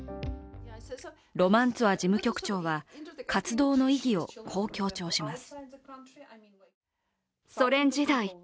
ロマンツォワ事務局長は活動の意義をこう強調します。